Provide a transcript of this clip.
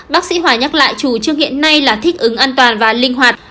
bác sĩ hòa nhắc lại chủ trương hiện nay là thích ứng an toàn và linh hoạt